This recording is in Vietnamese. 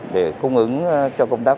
để cung ứng cho công tác